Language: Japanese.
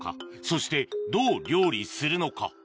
そしてどう料理するのか？